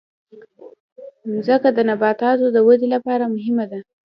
مځکه د نباتاتو د ودې لپاره مهمه ده.